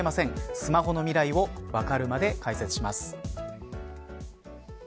スマホの未来をわかるまで解説します。